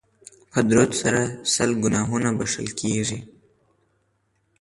په درود سره لس ګناهونه بښل کیږي